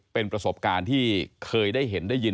เป็นประสบการณ์ที่เคยได้เห็นได้ยิน